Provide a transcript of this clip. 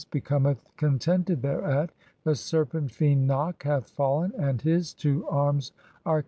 (11) be "cometh contented thereat. The serpent fiend Nak hath fallen and "his two arms are cut off.